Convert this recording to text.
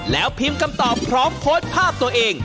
แล้วพิมพ์คำตอบพร้อมโพสต์ภาพตัวเอง